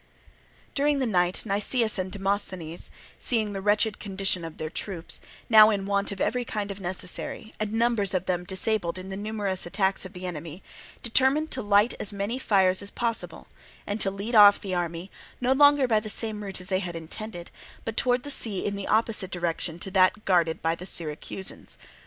During the night Nicias and Demosthenes, seeing the wretched condition of their troops, now in want of every kind of necessary, and numbers of them disabled in the numerous attacks of the enemy, determined to light as many fires as possible, and to lead off the army, no longer by the same route as they had intended, but towards the sea in the opposite direction to that guarded by the Syracusans.